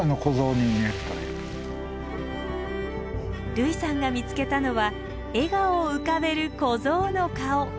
類さんが見つけたのは笑顔を浮かべる子象の顔。